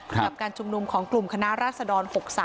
กับการชุมนุมของกลุ่มคณะราษฎร๖๓